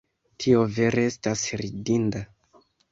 Tio vere estas ridinda!